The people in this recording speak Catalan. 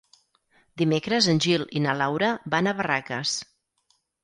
Dimecres en Gil i na Laura van a Barraques.